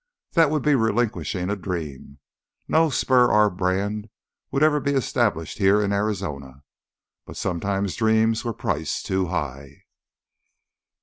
That would be relinquishing a dream. No Spur R brand would ever be established here in Arizona. But sometimes dreams were priced too high....